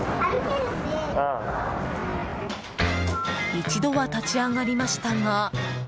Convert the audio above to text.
一度は立ち上がりましたが。